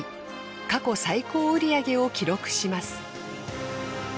過去最高売り上げを記録します。